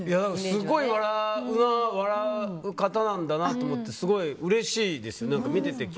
すごい笑う方なんだなと思ってすごいうれしいです。